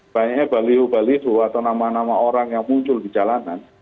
banyaknya baliho baliho atau nama nama orang yang muncul di jalanan